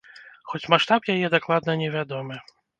Хоць маштаб яе дакладна невядомы.